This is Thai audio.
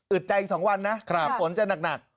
อึดใจอีก๒วันนะฝนจะหนักครับ